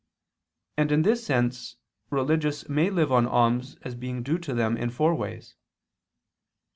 And in this sense religious may live on alms as being due to them in four ways.